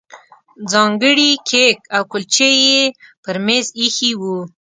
ځانګړي کیک او کولچې یې پر مېز ایښي وو.